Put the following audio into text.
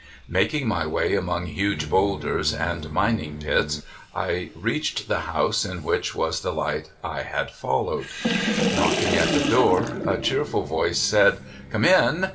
Making my way among huge bowlders and mining pits, I reached the house in which was the hght I had followed. Knocking at the door, a cheerful voice said, " Come in."